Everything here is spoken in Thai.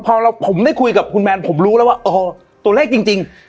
พอผมได้คุยกับคุณแมนผมรู้แล้วว่าอ๋อตัวเลขจริง